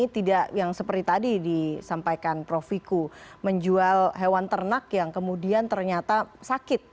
tidak yang seperti tadi disampaikan prof wiku menjual hewan ternak yang kemudian ternyata sakit